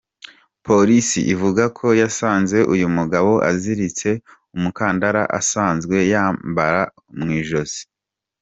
Polisi ivuga ko yasanze uyu mugabo aziritse umukandara asanzwe yambara mu ijosi.